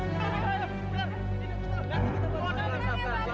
ya udah kita bisa